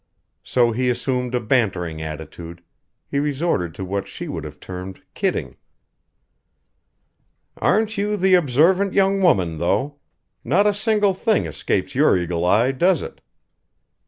So he assumed a bantering attitude he resorted to what she would have termed "kidding." "Aren't you the observant young woman, though? Not a single thing escapes your eagle eye, does it?"